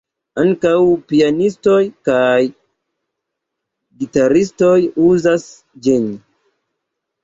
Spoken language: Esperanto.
Ankaŭ pianistoj kaj gitaristo uzas ĝin.